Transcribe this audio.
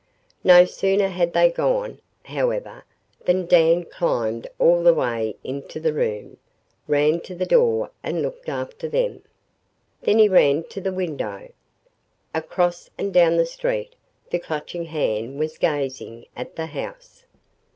No sooner had they gone, however, than Dan climbed all the way into the room, ran to the door and looked after them. Then he ran to the window. Across and down the street, the Clutching Hand was gazing at the house.